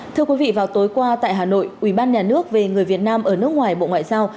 thưa quý vị vào tối qua tại hà nội ubnd về người việt nam ở nước ngoài bộ ngoại giao